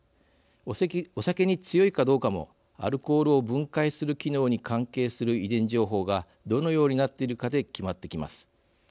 お酒に強いかどうかもアルコールを分解する機能に関係する遺伝情報がどのようになっているかで決まってきます。